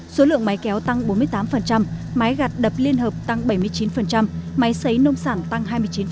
số lượng máy kéo tăng bốn mươi tám máy gạt đập liên hợp tăng bảy mươi chín máy xấy nông sản tăng hai mươi chín